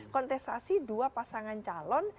kontestasi dua pasangan calon